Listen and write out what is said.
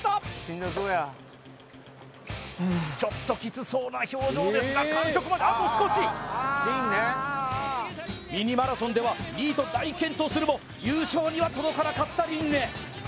ちょっとキツそうな表情ですが完食まであと少しミニマラソンでは２位と大健闘するも優勝には届かなかった琳寧